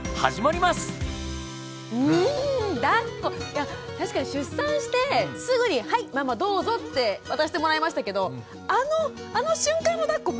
いや確かに出産してすぐに「はいママどうぞ」って渡してもらいましたけどあのあの瞬間のだっこ